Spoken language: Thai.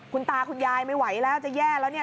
คุณตาคุณยายไม่ไหวแล้วจะแย่แล้วเนี่ย